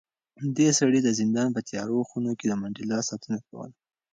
دې سړي د زندان په تیارو خونو کې د منډېلا ساتنه کوله.